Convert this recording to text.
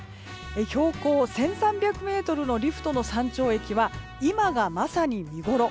標高１３００ｍのリフトの山頂駅は今がまさに見ごろ。